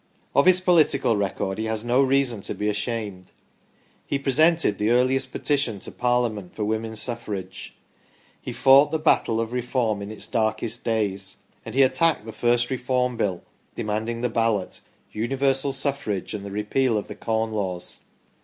Of his political record he has no reason to be ashamed. He presented the earliest petition to Parliament for Women's Suffrage ; he fought the battle of Reform in its darkest days ; and he attacked the first Reform Bill, de manding the Ballot, Universal Suffrage, and the repeal of the Corn Laws.